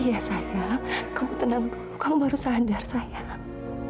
iya sayang kamu tenang dulu kamu baru sadar sayang